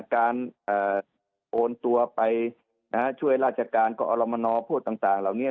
การโอนตัวไปช่วยราชการก็อรมนพวกต่างเหล่านี้